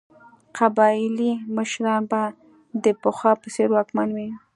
قبایلي مشران به د پخوا په څېر واکمن وي.